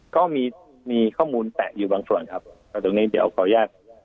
ก็มีมีข้อมูลแตะอยู่บางส่วนครับตรงนี้เดี๋ยวขออนุญาต